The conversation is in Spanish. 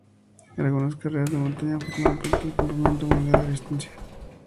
Algunas carreras de montaña formaron parte del Campeonato Mundial de Resistencia.